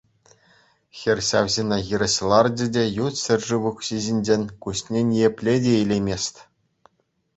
Хӗр ҫав ҫынна хирӗҫ ларчӗ те ют ҫӗршыв укҫи ҫинчен куҫне ниепле те илеймест.